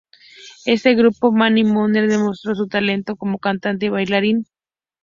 En este grupo, Manny Manuel demostró su talento como cantante y bailarín.